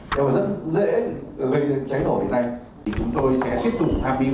thế rồi dây dẫn điện rất là nhiều